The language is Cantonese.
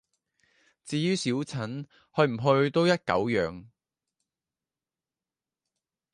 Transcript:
至於小陳，去唔去都一狗樣